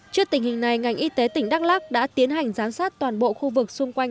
trước tình hình này ngành y tế tỉnh đắk lắc đã tiến hành giám sát toàn bộ khu vực xung quanh